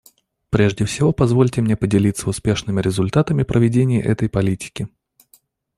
Прежде всего позвольте мне поделиться успешными результатами проведения этой политики.